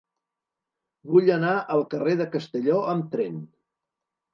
Vull anar al carrer de Castelló amb tren.